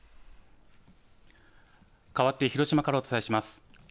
かわって広島からお伝えします。